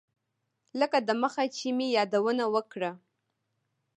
لکه دمخه چې مې یادونه وکړه.